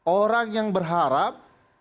orang yang berharap